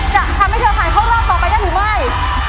จะทำให้เธอผ่านเข้ารอบต่อไปได้หรือไม่